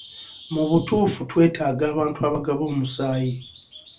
Mu butuufu twetaaga abantu abagaba omusaayi.